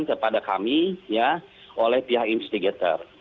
kepada kami ya oleh pihak investigator